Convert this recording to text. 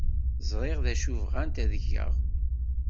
Ẓriɣ d acu bɣant ad geɣ.